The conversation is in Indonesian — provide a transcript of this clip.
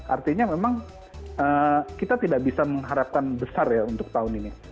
artinya memang kita tidak bisa mengharapkan besar ya untuk tahun ini